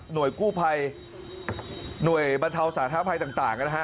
กู้ภัยหน่วยบรรเทาสาธาภัยต่างนะฮะ